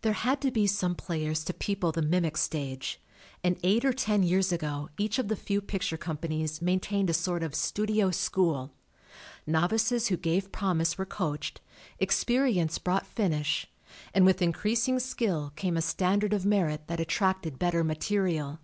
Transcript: There had to be some players to people the mimic stage, and eight or ten years ago each of the few picture companies maintained a sort of studio school. Novices who gave promise were coached, experience brought finish, and with in creasing skill came a standard of merit that attracted better material.